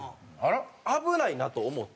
危ないなと思って。